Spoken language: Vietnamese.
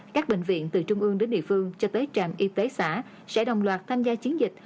các bệnh viện từ trung ương đến địa phương cho tới trạm y tế xã sẽ đồng loạt tham gia chiến dịch